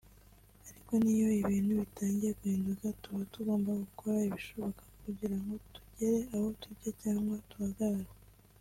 ariko n’iyo ibihu bitangiye guhinduka tuba tugomba gukora ibishoboka kugira ngo tugere aho tujya cyangwa tugahagarara”